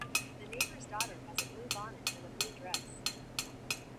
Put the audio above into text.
The neighbour's daughter has a blue bonnet and a blue dress.